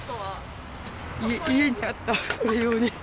家にあった、これ用に。